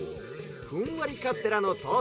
ふんわりカステラのとうせん